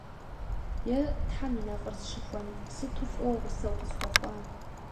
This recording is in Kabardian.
- Е, Тхьэм и нэфӀыр зыщихуэн, сыту фӀыуэ гъусэ укъысхуэхъуа!